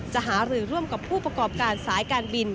หารือร่วมกับผู้ประกอบการสายการบิน